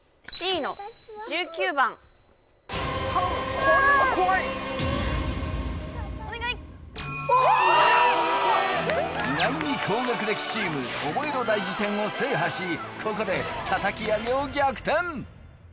意外に高学歴チームオボエロ大事典を制覇しここで叩き上げを逆転！